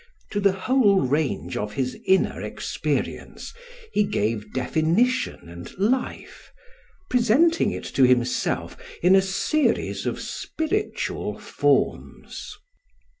To the whole range of his inner experience he gave definition and life, presenting it to himself in a series of spiritual forms.